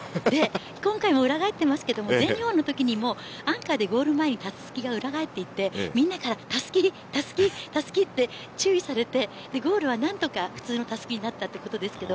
今回も裏返ってますが全日本のときにもアンカーでゴール前にたすきが裏返っていて見ながらたすき、たすきと注意されてゴールは何とか普通のたすきになったということです。